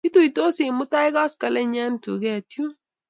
Kituitosi mutai koskoling' eng' tuget yun